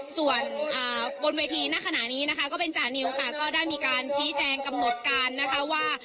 ส่วนบนเวทีณขณะนี้นะคะก็เป็นจานิวค่ะก็ได้มีการชี้แจงกำหนดการนะคะว่า